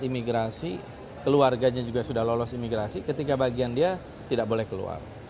imigrasi keluarganya juga sudah lolos imigrasi ketika bagian dia tidak boleh keluar